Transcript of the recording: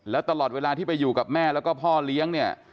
แล้วตลอดเวลาที่ไปอยู่กับแม่แล้วก็พ่อเลี้ยงเนี่ย